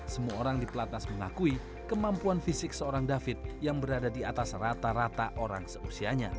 semua orang di pelatnas mengakui kemampuan fisik seorang david yang berada di atas rata rata orang seusianya